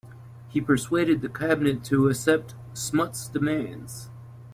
He persuaded the cabinet to accept Smuts' demands.